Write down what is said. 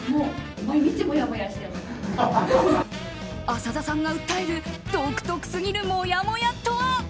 浅田さんが訴える独特すぎるもやもやとは？